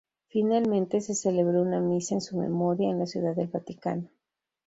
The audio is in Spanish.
Finalmente, se celebró una misa en su memoria en la Ciudad del Vaticano.